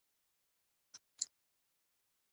هو، نن یی لولم